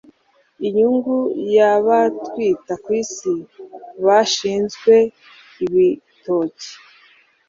Inyungu yabatwita kwisi bashinzwe ibitoki